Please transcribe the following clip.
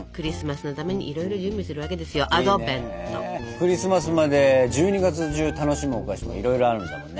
クリスマスまで１２月中楽しむお菓子もいろいろあるんだもんね。